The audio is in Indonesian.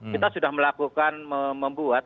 kita sudah melakukan membuat